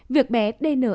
việc bé đê nở